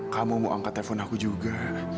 kamu mau angkat telepon aku juga